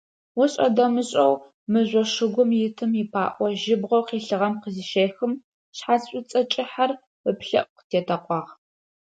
Ошӏэ-дэмышӏэу мыжъо шыгум итым ипаӏо жьыбгъэу къилъыгъэм къызыщехым, шъхьац шӏуцӏэ кӏыхьэр ыплӏэӏу къытетэкъуагъ.